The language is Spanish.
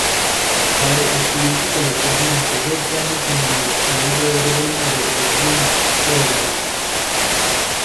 Bae estudió psicología durante dos años en la Universidad de Oregón en Eugene, Oregón.